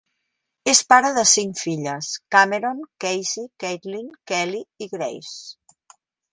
És pare de cinc filles; Cameron, Casey, Caitlin, Kelli i Grace.